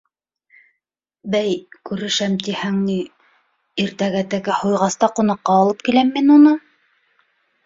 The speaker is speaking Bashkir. — Бәй, күрешәм тиһәң ни, иртәгә тәкә һуйғас та ҡунаҡҡа алып киләм мин уны.